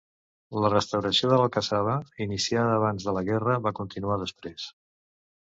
La restauració de l'alcassaba, iniciada abans de la guerra, va continuar després.